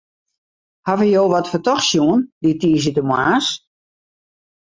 Hawwe jo wat fertochts sjoen dy tiisdeitemoarns?